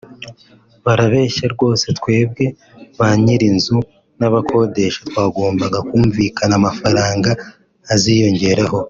”Barabeshya rwose twebwe bany’ir’inzu n’abakodesha twagombaga kumvikana amafaranga aziyongeraho